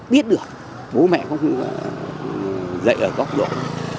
biết được bố mẹ không dạy ở góc đội